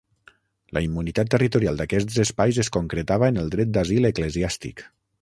La immunitat territorial d'aquests espais es concretava en el dret d'asil eclesiàstic.